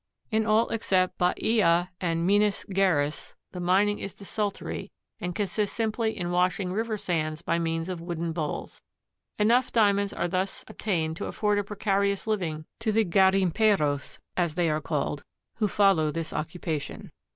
In all except Bahia and Minas Geraes the mining is desultory and consists simply in washing river sands by means of wooden bowls. Enough Diamonds are thus obtained to afford a precarious living to the garimperos, as they are called, who follow this occupation.